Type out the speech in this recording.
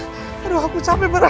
aduh aku capek parah